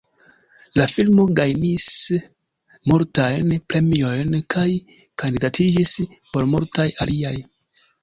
La filmo gajnis multajn premiojn, kaj kandidatiĝis por multaj aliaj.